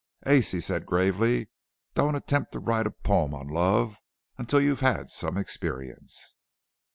"Ace," he said gravely, "don't attempt to write a poem on 'Love' until you've had some experience."